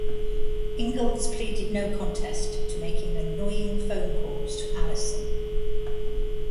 Ingels pleaded no contest to making annoying phone calls to Allyson.